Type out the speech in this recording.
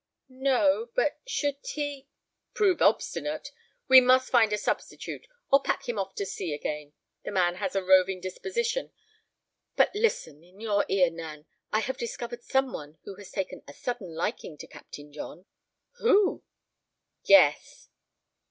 "No; but should he—" "Prove obstinate! We must find a substitute, or pack him off to sea again. The man has a roving disposition. But listen—in your ear, Nan: I have discovered some one who has taken a sudden liking to Captain John." "Who?" "Guess."